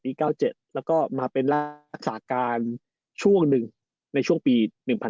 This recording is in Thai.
๙๗แล้วก็มาเป็นรักษาการช่วงหนึ่งในช่วงปี๑๕